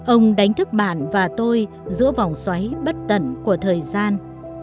ông đánh thức bạn và tôi giữa vòng xoáy bất tận của thời gian